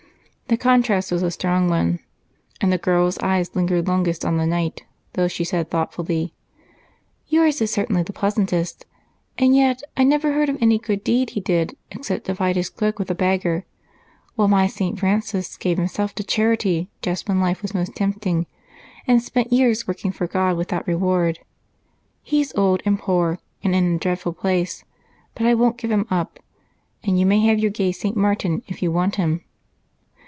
The contrast was a strong one, and the girl's eyes lingered longest on the knight, though she said thoughtfully, "Yours is certainly the pleasantest and yet I never heard of any good deed he did, except divide his cloak with a beggar, while St. Francis gave himself to charity just when life was most tempting and spent years working for God without reward. He's old and poor, and in a dreadful place, but I won't give him up, and you may have your gay St. Martin if you want him."